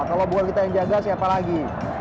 kalau buat kita yang jaga siapa lagi